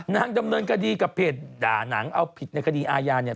ดำเนินคดีกับเพจด่านังเอาผิดในคดีอาญาเนี่ย